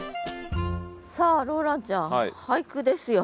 さあローランちゃん俳句ですよ。